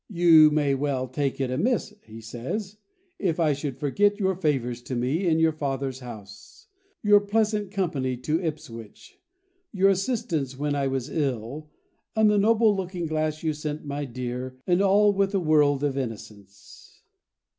"You may well take it amiss," he says, "if I should forget your favours to me in your father's house, your pleasant company to Ipswich, your assistance when I was ill, and the noble looking glass you sent my dear, and all with a world of innocence."